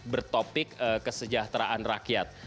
bertopik kesejahteraan rakyat